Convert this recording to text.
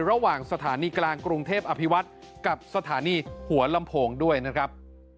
ระหว่างสถานีกลางกรุงเทพอภิวัตรกับสถานีหัวลำโพงด้วยนะครับ